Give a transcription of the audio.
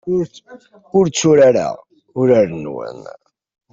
Ur tturareɣ urar-nwen.